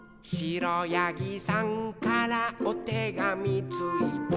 「くろやぎさんからおてがみついた」